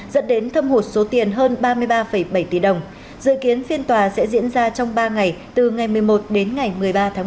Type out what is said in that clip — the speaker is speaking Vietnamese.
dẫn đến thâm hụt số tiền hơn ba mươi ba bảy tỷ đồng dự kiến phiên tòa sẽ diễn ra trong ba ngày từ ngày một mươi một đến ngày một mươi ba tháng một mươi